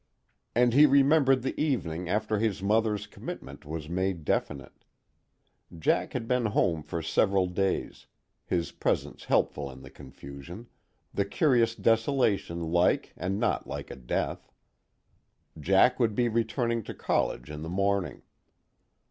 And he remembered the evening after his mother's commitment was made definite. Jack had been home for several days, his presence helpful in the confusion, the curious desolation like and not like a death; Jack would be returning to college in the morning.